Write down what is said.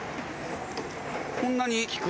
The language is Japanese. こんなに利く。